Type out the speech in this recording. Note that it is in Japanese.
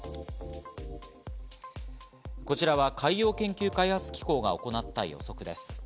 こちらは海洋研究開発機構が行った予測です。